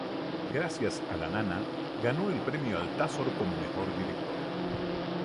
Gracias a "La nana" ganó el Premio Altazor como mejor director.